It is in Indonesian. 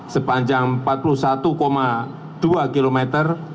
sepanjang empat puluh satu dua kilometer